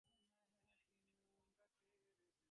নিসার আলি কিছুটা বিব্রত বোধ করলেন।